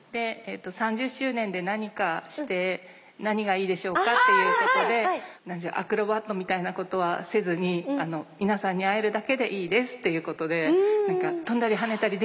３０周年で何かして何がいいでしょうか？っていうことでアクロバットみたいなことはせずに皆さんに会えるだけでいいですっていうことで跳んだりはねたりできないわよねって。